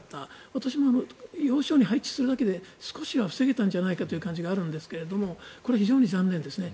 今年も要所に配置するだけで少しは防げたんじゃないかという感じがあるんですがこれは非常に残念ですね。